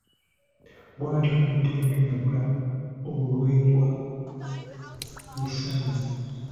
Bwatyo nno Ttendo yabula olw'embwa ye Ssanyu.